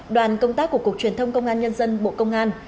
đoàn công tác của cục truyền thông công an nhân dân bộ công an